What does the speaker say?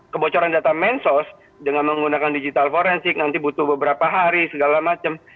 kebocoran data mensos dengan menggunakan digital forensik nanti butuh beberapa hari segala macam